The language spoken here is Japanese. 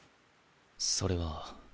それは。